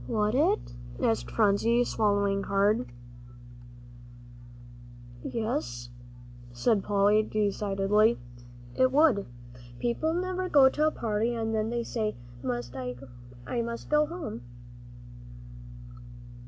"Would it?" asked Phronsie, swallowing hard. "Yes," said Polly, decidedly, "it would. People never go to a party, and then say they must go home."